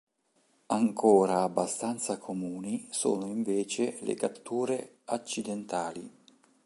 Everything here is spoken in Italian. Ancora abbastanza comuni sono invece le catture accidentali.